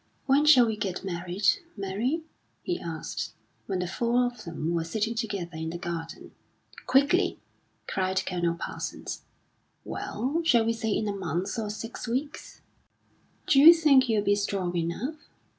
"When shall we get married, Mary?" he asked, when the four of them were sitting together in the garden. "Quickly!" cried Colonel Parsons. "Well, shall we say in a month, or six weeks?" "D'you think you'll be strong enough?"